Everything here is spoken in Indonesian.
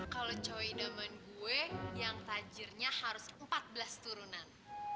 kalau cowoki zaman gue yang tajirnya harus empat belas turunan